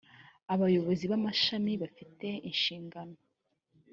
abayobozi b amashami bafite inshingano